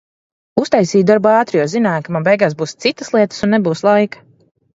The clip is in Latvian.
Uztaisīju darbu ātri, jo zināju, ka man beigās būs citas lietas un nebūs laika.